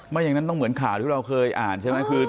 อย่างนั้นต้องเหมือนข่าวที่เราเคยอ่านใช่ไหม